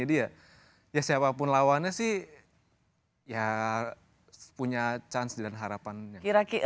jadi ya siapapun lawannya sih ya punya chance dan harapannya